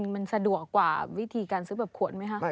มันสะดวกกว่าวิธีการซื้อแบบขวดไหมคะ